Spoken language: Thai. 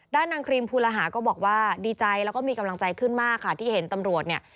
นางครีมภูลหาก็บอกว่าดีใจแล้วก็มีกำลังใจขึ้นมากค่ะที่เห็นตำรวจเนี่ย